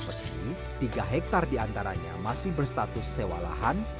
meski tiga hektare di antaranya masih berstatus sewa lahan